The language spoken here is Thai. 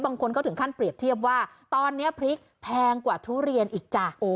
บางคนก็ถึงขั้นเปรียบเทียบว่าตอนนี้พริกแพงกว่าทุเรียนอีกจ้ะ